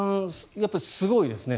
やっぱりすごいですね。